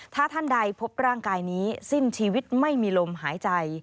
ถ้าท่านใดพบร่างกายนี้สิ้นชีวิตไม่มีลมหายใจ